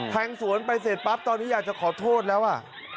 แทงสวนไปเสร็จปั๊บตอนนี้อยากจะขอโทษแล้วอ่ะ